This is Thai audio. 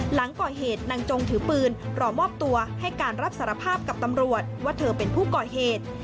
หลังก่อเหตุนางจงถือปืนรอมอบตัวให้การรับสารภาพกับตำรวจว่าเธอเป็นผู้ก่อเหตุ